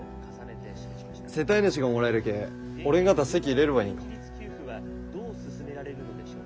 世帯主がもらえるけ俺んがた籍入れればいいんよ。